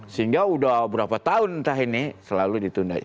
sehingga sudah berapa tahun entah ini selalu ditunda